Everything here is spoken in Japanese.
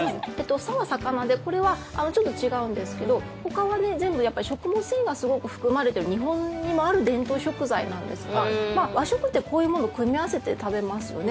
「さ」は魚でちょっと違うんですけどほかは食物繊維が含まれている日本にもある伝統食材なんですが和食ってこういうものを組み合わせて食べますよね。